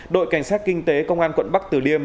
đội cảnh sát kinh tế công an quận bắc tử liêm